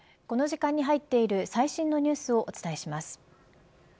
この時間に入っている最新のニュースをお伝えします。